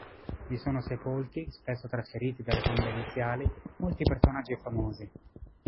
Vi sono sepolti, spesso trasferiti dalle tombe iniziali, molti personaggi famosi.